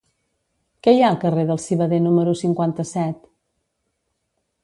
Què hi ha al carrer del Civader número cinquanta-set?